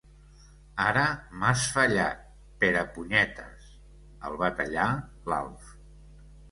Ara m'has fallat, Perepunyetes —el va tallar l'Alf—.